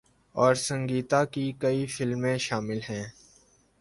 اور سنگیتا کی کئی فلمیں شامل ہیں۔